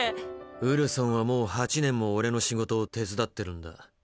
ウルソンはもう８年もオレの仕事を手伝ってるんだ。